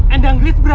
anda ngeliat buku ini